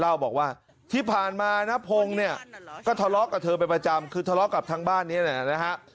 เล่าบอกว่าที่ผ่านมานพงศ์เนี่ยก็ทะเลาะกับเธอเป็นประจำคือทะเลาะกับทางบ้านนี้แหละนะฮะ